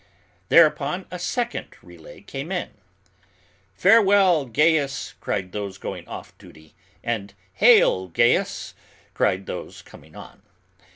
Thereupon a second relay came in. "Farewell, Gaius," cried those going off duty, and "Hail, Gaius," cried those coming on.